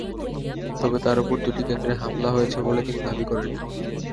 তবে তাঁর ওপর দুটি কেন্দ্রে হামলা হয়েছে বলে তিনি দাবি করেন।